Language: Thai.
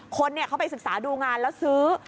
คนเขาไปศึกษาดูงานแล้วซื้อ